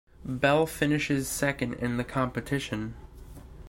Bell finishes second in the competition.